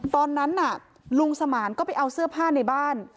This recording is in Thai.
ตอนนั้นน่ะลุงสมานก็ไปเอาเสื้อผ้าในบ้าน